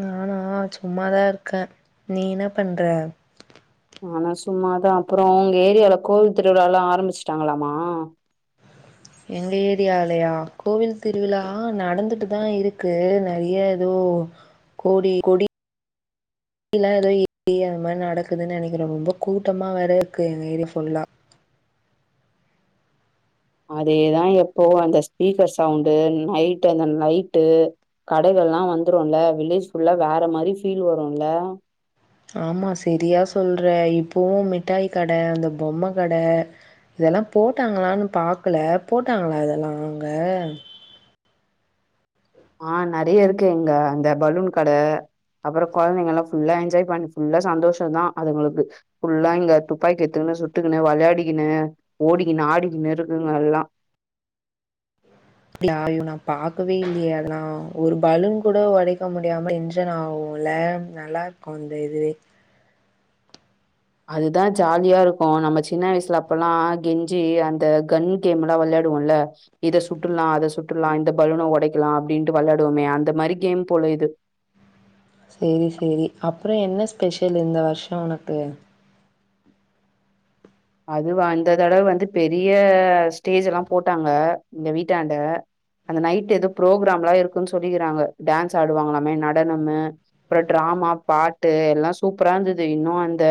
நானா சும்மாதா இருக்க நீ என்ன பண்ற நானு சும்மாதா அப்றோ உங்க ஏரியால கோவில் திருவிழாலா ஆரம்பிச்சுட்டாங்களாமா எங்க ஏரியாலையா கோவில் திருவிழா நடந்துட்டுதா இருக்கு நெறயா எதோ கோடி கொடி கீழ எதோ ஏரியா மாரி நடக்குதுன் நெனைக்கிற ரொம்போ கூட்டமா வேற இருக்கு எங்க ஏரியா ஃபுல்லா அதே தா எப்போவு அந்த ஸ்பீக்கர் சவுண்டு நைட்டு அந்த லைட்டு கடைகள்லா வந்துருல வில்லேஜ் ஃபுல்லா வேற மாரி ஃபீல் வருல்ல ஆமா செரியா சொல்ற இப்பவு மிட்டாய் கட அந்த பொம்ம கட இதெல்லா போட்டாங்களான் பாக்கல போட்டாங்களா இதெல்லா அங்க ஆ நெறய இருக்கு இங்க அந்த பலூன் கட அப்றோ குழந்தைங்க எல்லா ஃபுல்லா என்ஜாய் பண்ணி ஃபுல்லா சந்தோஷ தா அதுங்களுக்கு ஃபுல்லா இங்க துப்பாக்கி எத்துக்குனு சுட்டுக்குனு விளையாடிக்குனு ஓடிக்கினு ஆடிக்கினு இருக்குங்க எல்லா அப்டியா ஐயோ நா பாக்கவே இல்லயே அதெல்லா ஒரு பலூன் கூட உடைக்க முடியாம எஞ்சன் ஆகுல நல்லாருக்கு அந்த இது அதுதா ஜாலியா இருக்கு நம்ப சின்ன வயசுல அப்பயெல்லா கெஞ்சி அந்த கன் கேம் எல்லா விளையாடுவோல இத சுட்டுருலா அத சுட்டுருலா இந்த பலூன உடைக்கலா அப்டின்ட்டு விளையாடுவோமே அந்த மாரி கேம் போல இது செரி செரி அப்றோ என்ன ஸ்பெஷல் இந்த வருஷோ உனக்கு அதுவா இந்த தடவ வந்து பெரிய ஸ்டேஜ்ல்லா போட்டாங்க இங்க வீட்டாண்ட அந்த நைட் எதோ ப்ரோக்ராம்ல்லா இருக்குன் சொல்லிக்குறாங்க டான்ஸ் ஆடுவாங்களாமே நடனமு அப்றோ டிராமா பாட்டு எல்லா சூப்பரா இருந்தது இன்னு அந்த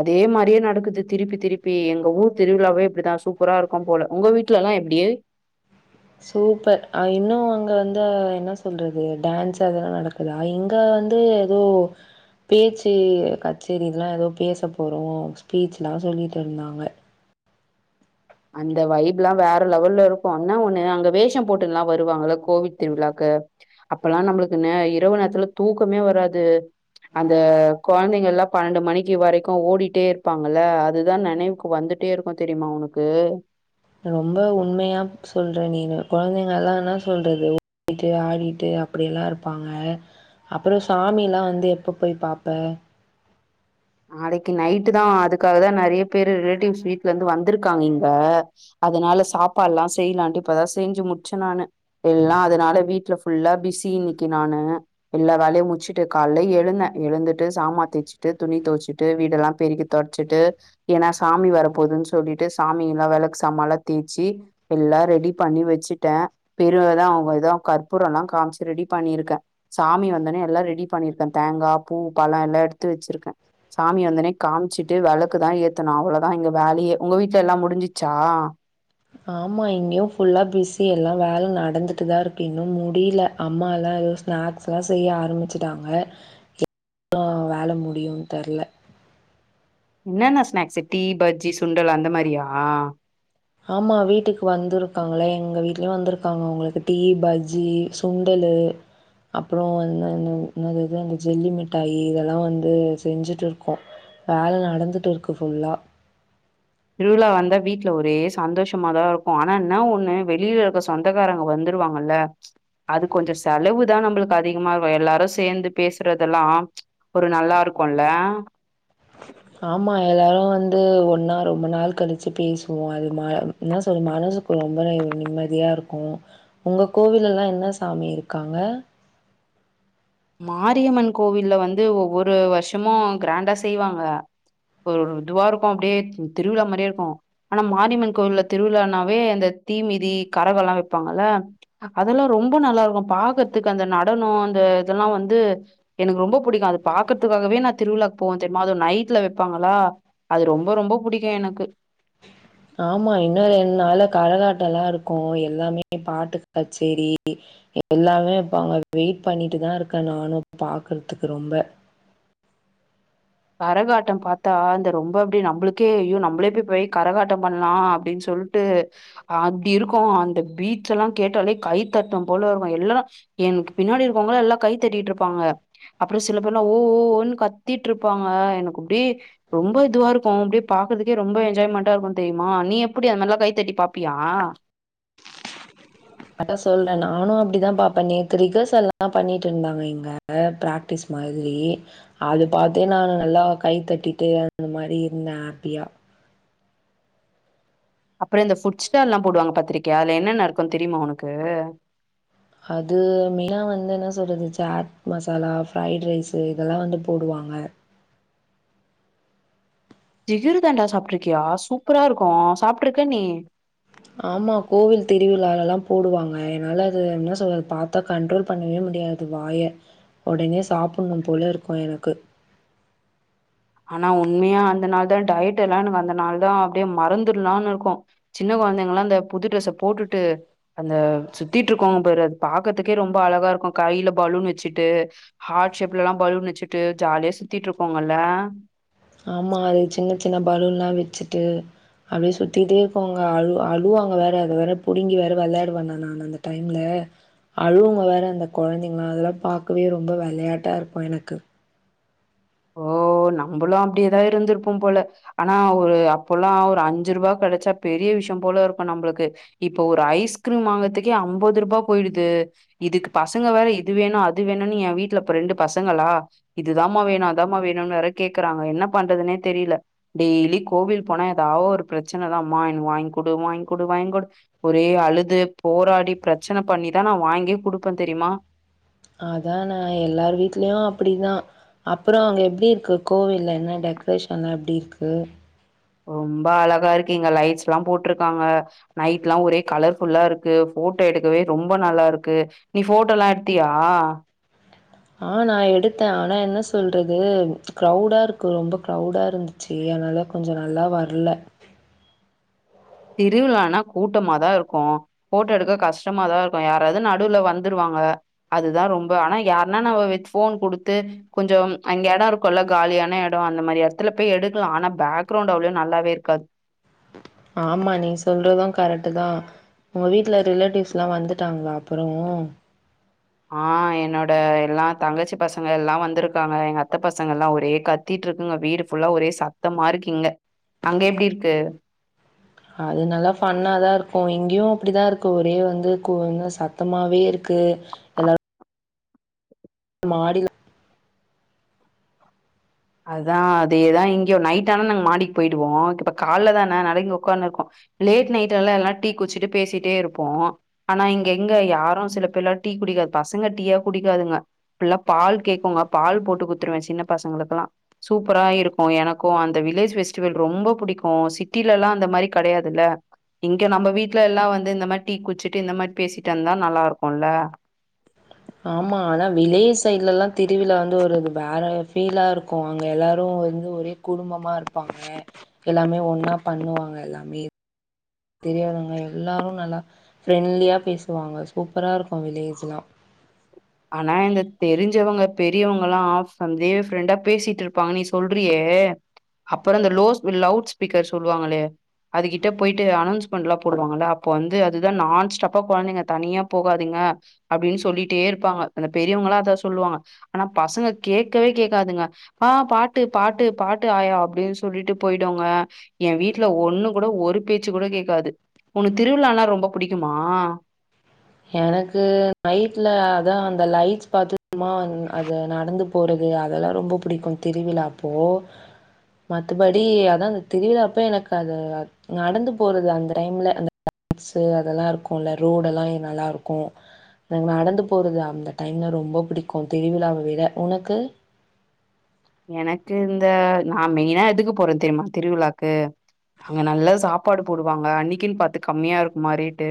அதே மாரியே நடக்குது திருப்பி திருப் பே எங்க ஊர் திருவிழாவே இப்படிதா சூப்பரா இருக்கு போல உங்க வீட்டுலல்லா எப்டி சூப்பர் இன்னு அங்க வந்து என்ன சொல்றது டான்ஸ் அதெல்லா நடக் லா இங்க வந்து எதோ பேச்சு கச்சேரி இதலா எதோ பேச போறோ ஸ்பீச்லா சொல்லிட்டு இருந்தாங்க அந்த வைப்ல்லா வேற லெவல்ல இருக்கு என்னா ஒண்ணு அங்க வேஷம் போட்டுல்லா வருவாங்கள கோவிட் திருவிழாக்கு அப்பல்லா நம்மளுக்கு இரவு நேரத்துல தூக்கமே வராது அந்த கொழந்தைங்கள் எல்லா பன்னெண்டு மணிக்கு வரைக்கு ஓடிட்டே இருப்பாங்கள்ள அதுதா நெனைவுக்கு வந்துட் டே இருக்கு தெரியுமா உனக்கு ரொம்ப உண்மையா சொல்ற நீனு கொழந்தைங்கல்லா என்ன சொல்றது ஓடிட்டு ஆடிட்டு அப்டி எல்லா இருப்பாங்க அப்பற சாமில்லா வந்து எப்ப போய் பாப்ப நாளைக்கு நைட்டு் தா அதுக்காக தா நெறய பேர் ரிலேட்டிவ்ஸ் வீட்ல இருந்து வந்துருக்காங்க இங்க அதனால சாப்பாடுல்லா செய்லான்ட்டு இப்பதா செஞ்சு முடிச்ச நானு எல்லா அதனால வீட்டுல ஃபுல்லா பிஸி இன்னிக்கி நானு எல்லா வேலையு முட்ச்சிட்டு கால்ல எழுந்தே எழுந்துட்டு சாமதேச்சுட்டு துணி துவச்சிட்டு வீடெல்லா பெருக்கி துடச்சிட்டு ஏன்னா சாமி வர போதுன் சொல்லிட்டு சாமி எல்லா விளக் சாமல்லா தேய்ச்சி எல்லா ரெடி பண்ணி வச்சுட்டே பெருவுதா அவங்க ஏதோ கற்பூர எல்லா காமிச்சு ரெடி பண்ணிருக்கே சாமி வந்தனே எல்லா ரெடி பண்ணிருக்கே தேங்கா பூ பழ எல்லா எடுத்து வச்சிருக்கே சாமி வந்தோனே காம்ச்சிட்டு விளக்குதா ஏத்தனு அவ்ளோதா இங்க வேலையே உங்க வீட்டுல எல்லா முடிஞ்சிச்சா ஆமா இங்கேயு ஃபுல்லா பிஸ்ஸி எல்லா வேல நடந்துட்டு தா இருக்கு இன்னு முடில அம்மாலா ஸ்நாக்ஸ்லா செய்ய ஆரம்பிச்சுட்டாங்க இன்னு வேல முடியுன் தெர்ல என்னன்ன ஸ்நாக்ஸ்சு டீ பஜ்ஜி சுண்டல் அந்த மாரியா ஆமா வீட்டுக்கு வந்துருக்காங்களே எங்க வீடலயு வந்துருக்காங்க அவுங்களுக்கு டீ பஜ்ஜி சுண்டலு அப்றோ வந்து இந்த என்னது அந்த ஜெல்லி மிட்டாயி இதெல்லா வந்து செஞ்சுட்டு இருக்கு வேல நடந்துட்டு இருக்கு ஃபுல்லா திருவிழா வந்தா வீட்ல ஒரே சந்தோஷமாதா இருக்கு ஆனா என்ன ஒண்ணு வெளில இருக்க சொந் சொந்தக்காரங்க வந்துருவாங்கல்ல அது கொஞ்ச செலவு தா நம்பளுக்கு அதிகமாகு எல்லாரு சேந்து பேசுறதெல்லா ஒரு நல்லா இருக்குல்ல ஆமா எல்லாரு வந்து ஒன்னா ரொம்ப நாள் கழிச்சு பேசுவோ அது மார் என்ன சொல் மனசுக்கு ரொம்ப நிம்மதியா இருக்கு உங்க கோவில்லலா என்ன சாமி இருக்காங்க மாரியம்மன் கோவில்ல வந்து ஒவ்வொரு வர்ஷமு கிராண்டா செய்வாங்க ஒரு ஒரு இதுவா இருக்கு அப்டியே திருவிழா மாரியே இருக்கு ஆனா மாரியம்மன் கோயில்ல திருவிழானாவே அந்த தீ மிதி கரக எல்லா வெப்பாங்கல்ல அதெல்லா ரொம்ப நல்லா இருக்கு பாக்கறதுக்கு அந்த நடனோ அந்த எல்லா வந்து எனக்கு ரொம்ப புடிக்கு அது பாக்கறதுக்காகவே நா திருவிழா போவே தெரிமா அது நைட்ல வெப்பாங்களா அது ரொம்ப ரொம்ப புடிக்கு எனக்கு ஆமா இன்னு ரெண்டு நால்ல கரகாட்டல்லா இருக்கு எல்லாமே பாட்டு கச்சேரி எல்லாமே இப்ப வெயிட் பண்ணிட்டுதா இருக்கே நானு பாக்கறதுக்கு ரொம்ப கரகாட்டம் பாத்தா இந்த ரொம்ப அப்படி நம்மளுக்கே ஐயோ நம்மளே போய் கரகாட்டம் பண்ணலா அப்டின் சொல் ட்டு அப்டி இருக்கு அந்த பீச்சல்லா கேட்டாலே கைத்தட்னு போல இருக்கு இல்லன எனக்கு பின்னாடி இருக்கவங்களா எல்லா கை தட்டிட்டு இருப்பாங்க அப்பறோ சில பேர் எல்லா ஓ ஓ ஓன் கத்திட்ருப் ப்பாங்க எனக் அப்டி ரொம்ப இதுவா இருக்கு அப்படியே பாக்குறக்கே ரொம்ப என்ஜாய்மெண்டா இருக்கு தெயுமா நீ எப்டி அந்தமார்லா கைத்தட்டி பாப்பியா அதா சொல்றே நானு அப்டிதா பாப்பேன நேத்து ரிகர்ஸ்ல்லா பண்ணிட்டு இருந்தாங்க இங்க பிரா க்டீஸ் மாதிரி அது பாத்தினா நல்லா கை தட்டிட்டு அந்த மாரி இருந்தே ஹாப்பியா அப்றோ இந்த ஃபுட் ஸ்டால் எல்லா போடுவாங்க பாத்திரிக்கியா அதுல என்னென்ன இருக்கு தெரியுமா உனக்கு அது மெயினா வந்து என்ன சொல்றது சாட் மசாலா ஃப்ரைட் ரைஸ்சு இதெல்லா வந்து போடுவாங்க ஜிகர்தண்டா சாப்ட்டுருக்கியா சூப்பரா இருக்கு சாப்ட்ருக்க நீ ஆமா கோவில் திருவிழாலலா போடுவாங்க என்னால அது என்ன சொல்ல பாத்தா கண்ட்ரோல் பண்ணவே முடியாது வாய உடனே சாப்புண்ணு போல இருக்கு எனக்கு ஆனா உண்மையா அந்த நாள் தா டயட் எல்லா எனக் அந்த நாள்தா அப்டியே மறந்துர்லான் இருக்கு சின்ன குழந்தைங்கலா இந்த புது ட்ரெஸ்ஸ போட்டுட்டு அந்த சுத்திட்டு இருக்கோங்க பாரு அது பாக்கறதுக்கே ரொம்ப அழகா இருக்கு கையில பலூன் வச்சுட்டு ஹார்ட் ஷேப்ல எல்லா பலூன் நச்சுட்டு ஜாலியா சுத்திட்டு இருபாக்கங்கல்ல ஆமா அது சின்ன சின்ன பலூன் எல்லா வச்சுட்டு அப்டியே சுத்திட்டே இருப்பாங்க அழு அழுவாங்க வேற அத வேற பிடுங்கி வேற விளையாடுவ நான்னு அந்த அந்த டைம்ல அழுவங்க வேற அந்த குழந்தைங்களா அதெல்லா பாக்கவே ரொம்ப விளையாட்டா இருக்கும் எனக்கு ஓ நம்மளு அப்டியேதா இருந்திருப்போ போல ஆனா ஒரு அப்பல்லா ஒரு அஞ்சு ரூபா கிடச்சா கூட பெரிய விஷய போல இருக்கும் நம்மளுக்கு இப்ப ஒரு ஐஸ்கிரீம் வாங்கறதுக்கே ஐம்பது ரூபாய் போயிடுுது இதுக்கு பசங்க வேற இது வேணும் அது வேணும்ன்னனு எய வீட்டுல இப்ப ரெண்டு பசங்களா இதுதாம வேணு அது மா வேணும்னு வேற கேக்குறாங்க என்ன பண்றதுனே தெரில டெய்லி கோவில் போனா ஏதா ஒரு பிரச்சனதா அம்மா எனக்கு வாங்க் கொடு வாங்கொடு வாங்கொடு ஒரே அழுது போராடி பிரச்சன பண்ணிதா நா வாங்கியே குடுப்ப தெரியுமா அதா நா எல்லார் வீட்லயு அப்டிதா அப்பற அங்க எப்டி இருக்கு கோவில என்ன டெக்ரேஷன்லா எப்டி இருக்கு ரொம்ப அழகா இருக்கு இங்க லைட்ஸ் எல்லா போட்டுருக்காங்க நைட் எல்லா ஒரே கலர் ஃபுல்லா இருக்கு போட்டோ எடுக்கவே ரொம்ப நல்லா இருக்கு நீ போட்டோ எல்லா எடுத்தியா ஆ நா எடுத்த ஆனா என்ன சொல்றது க்ரௌடா இருக்கு ரொம்ப க்ரௌடா இருந்தது சி அதனால கொஞ்ச நல்லா வர்ல திருவிழானா கூட்டமாதா இருக்கும் போட்டோ எடுக்க கஷ்டமாதா இருக்கும் யாராவது நடுவுல வந்துருவாங்க அதுதா ரொம்ப ஆனா யாருன்னா நம்ம வித் போன் கொடுத்து கொஞ்ச அங்க இடம் இரு கொள்ள காலியான இட அந்த மாதிரி இடத்துல எடுக்கலா ஆனா பேக்ரவுண்ட் அவ்வளோ நல்லாவே இருக்காது ஆமா நீ சொல்றது கரெக்ட் தா உங்க வீட்டுல ரிலேட்டிவ்ஸ் எல்லா வந்துட்டாங்களா அப்பரோ ஆ என்னோட எல்லா தங்கச்சி பசங்க எல்லா வந்திருக்காங்க எங்க அத்த பசங்க எல்லா ஒரே க த்திட்டு இருக்குங்க வீடு ஃபுல்லா ஒரே சத்தமா இருக்கீங்க அங்க எப்டி இருக்கு அது நல்லா ஃபன்னாக தா இருக்கும் இங்கயு அப்டி தா இருக்கும் ஒரே வந்து கூ வந்து சத்தமாகவே இருக்கு எல்லாரு மாடில அதா அதேதா இங்கயு நைட் ஆனா நாங்க மாடிக்கு போயிடுவோ இப்ப கால தான அதனால இங்க உடக்காந்துு இருக்கோ லேட் நைட் எல்லா எல்லா டீ குச்சிட்டு பேசிட்டே இருப்போ ஆனா இங்க எங்க யாரு சில பேர் எல்லா டீ குடிக்காது பசங்க டீயா குடிக்காதுங்க ஃபுல்லா பால் கேக்குங்க பால் போட்டு குத்துருவ சின்ன பசங்களுக்கு எல்லா சூப்பரா இருக்கும் எனக்கும் அந்த அந்த வில்லேஜ் ஃஸ்டிவல் ரொம்ப பிடிக்கும் சிட்டில எல்லா அந்த மாதிரி கிடையாதுல்ல இங்க நம்ம வீட்டுல எல்லா வந்து இந்த மாதிரி டீ குச்சிட்டு இந்த மாதிரி பேசிட்டு வந்தா நல்லா இருக்கும்ல்ல ஆமாம் ஆனா வில்லெஜ் சைட்லலா திருவிழா வந்து ஒரு இது வேற ஃபீலா இருக்கும் அங்க எல்லாரு வந்து ஒரே குடும்பமா இருப்பாங்க எல்லாமே ஒன்னா பண்ணுவாங்க எல்லாமே தெரியாதவங்க எல்லாரு நல்லா ஃப்ரெண்ட்லியா பேசுவாங்க சூப்பரா இருக்கும் வில்லேஜ்லா ஆனா இந்த தெரிஞ்சவங்க பெரியவங்கல்லா ஹாஃப் வந்து ஃப்ரெண்டா பேசிட்டு இருப்ப இருப்பாங்க நீ சொல்றியே அப்பற இந்த லோ லவுட் ஸ்பீக்கர் சொல்லுவாங்களே அதுக்கிட்ட போயிட்டு அனௌன்ஸ்மெண்ட்லா போடுவாங்கல்ல அப்போ வந்து அதுதா நான் ஸ்டப்பா குழந்தைங்க தனியா போகாதீங்க அப்டின்னு சொல்லிட்டே இருப்பாங்க அந்த பெரியவங்களா அதா சொல்லுவாங்க ஆனா பசங்க கேட்கவே கேட்காதுங்க ஆ பாட்டு பாட்டு பாட்டு ஆயா அப்டின்னு சொல்லிட்டு போய்டுங்க எய வீட்டுல ஒண்ணு கூட ஒரு பேச்சு கூட கேடக்காது உன்னு திருவிழானா ரொம்ப பிடிக்குமா எனக்கு நைட்ல அதான் அந்த லைட்ஸ் பத்தமா அது நடந்து போறது அதெல்லாம் ரொம்ப பிடிக்கும் திருவிழா அப்போ மத்துபடி அதா அந்த திருவிழாப்ப எனக்கது நடந்து போறது அந்த டைம்ல ட்ஸு அதெல்லா இருக்குல்ல ரோடுல்லா நல்லா இருக்கோ என நடந்து போறது அந்த டைம்ல ரொம்ப பிடிக்கு திருவிழாவ விட உனக்கு எனக் இந்த நா மெயினா எதுக்கு போறே தெரியுமா திருவிழாக்கு அங்க நல்லா சாப்பாடு போடுவாங்க அன்னைக்கின் பாத்து கம்மியா இருக்குமா ரேட்டு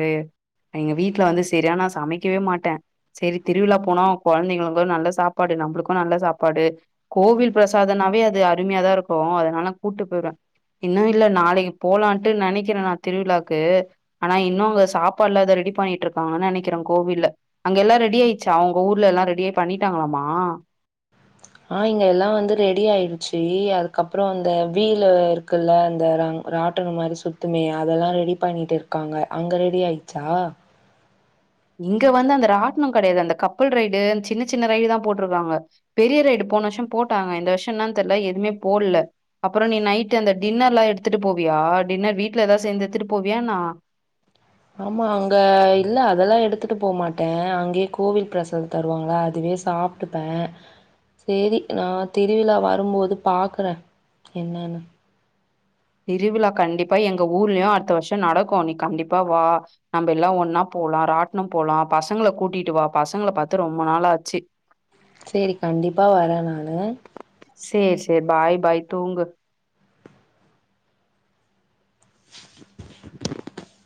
எங்க வீட்ல வந்து செரியா நா சமக்கவே மாட்டே செரி திருவிழா போனா கொழந்தைங்களுக்கு நல்ல சாப்பாடு நம்ளுக்கு நல்ல சாப்பாடு கோவில் ப்ரசாதனாவே அது அருமையா தா இருக் போ அதனால கூட்டு போய்ருவே இன்னு இல்ல நாளைக்கு போலான்ட்டு நெனைக்கிறே நா திருவிழாக்கு ஆனா இன்னுவ்வு சாப்பாட்லாத ரெடி பண்ணிக்கிட்ருக்காங்கன்னு நெனைக்கிறே கோவில்ல அங்க எல்லா ரெடி ஆயிச்சா உங்க ஊர்ல எல்லா ரெடியே பண்ணிட்டாங்களாமா ஆ இங்க எல்லா வந்து ரெடி ஆயிடுச்சி அதுக்கப்றோ அந்த வீலர் குள்ள அந்த ரங் ராட்டனு மாரி சுத்துமே அதெல்லா ரெடி பண்ணிட் இருக்காங்க அங்க ரெடி ஆயிச்சா இங்க வந்து அந்த ராட்னம் கெடையாது அந்த கப்பல் ரைடு அந்த சின்ன சின்ன ரைடு தான் போட்ருக்காங்க பெரிய ரைடு போன வருஷம் போட்டாங்க இந்த வருஷம் என்ன தெரிலா எதுவுமே போடல அப்பறம் நீ நைட் அந்த டின்னர் எல்லாம் எடுத்துட்டு போவியா டின்னர் வீட்டுல ஏதா சேந்து எடுத்துட்டு போவியானா என்ன ஆமா அங்க இல்ல அதெல்லாம் எடுத்துட்டு போகமாட்டேன் அங்கேயே கோவில் பிரசாதம் தருவாங்களா அதுவே சாப் ட்டுப்பேன் சேரி நான் திருவிழா வரும்போது பாக்குறேன் என்னன்னு திருவிழா கண்டிப்பா எங்க ஊர்லயும் அடுத்த வருஷம் நடக்கும் நீ கண்டிப்பா வா நம்ம எல்லாம் ஒன்னா போலாம் ராட்டனும் போலாம் பசங்கள கூட்டிட்டு வா பசங்கள பாத்து ரொம்ப நாள் ஆச்சு செரி கண்டிப்பா வரேன் நானு சேரி சேரி பாய் பாய் தூங்கு